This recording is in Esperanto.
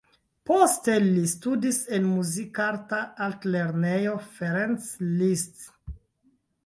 Poste li studis en Muzikarta Altlernejo Ferenc Liszt.